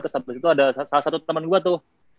terus abis itu ada salah satu temen gue tuh